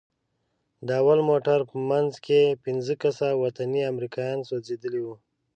د اول موټر په منځ کښې پينځه کسه وطني امريکايان سوځېدلي وو.